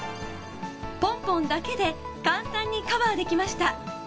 ポンポンだけで簡単にカバーできました。